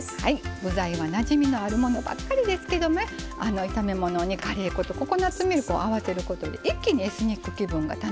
具材はなじみのあるものばっかりですけど炒め物にカレー粉とココナツミルクを合わせることで一気にエスニック気分が楽しめます。